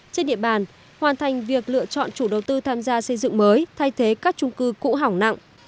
hai nghìn bảy mươi năm trên địa bàn hoàn thành việc lựa chọn chủ đầu tư tham gia xây dựng mới thay thế các trung cư cũ hỏng nặng